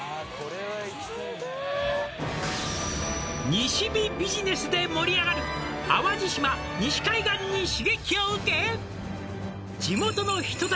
「西日ビジネスで盛り上がる淡路島西海岸に刺激を受け」